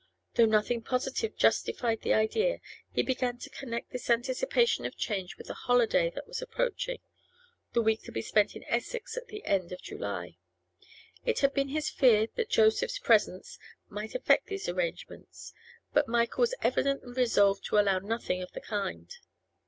Though nothing positive justified the idea, he began to connect this anticipation of change with the holiday that was approaching, the week to be spent in Essex at the end of July. It had been his fear that Joseph's presence might affect these arrangements, but Michael was evidently resolved to allow nothing of the kind.